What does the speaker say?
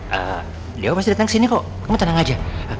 eee dewa masih datang kesini kok kamu tenang aja